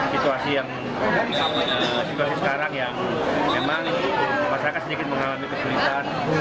situasi sekarang ya memang masyarakat sedikit mengalami kesulitan